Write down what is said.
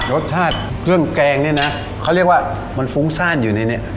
รสชาติเครื่องแกงเนี่ยนะเขาเรียกว่ามันฟุ้งซ่านอยู่ในนี้